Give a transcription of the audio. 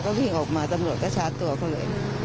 ก็วิ่งออกมาตำรวจก็ชาร์จตัวเขาเลย